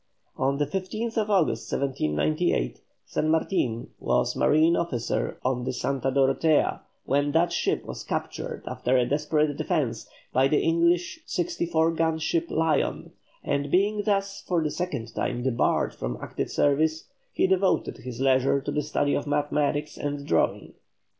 On the 15th August, 1798, San Martin was marine officer on the Santa Dorotea, when that ship was captured after a desperate defence, by the English 64 gun ship Lion, and being thus for the second time debarred from active service, he devoted his leisure to the study of mathematics and drawing.